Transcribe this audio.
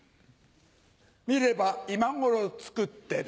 見れば今頃作ってる。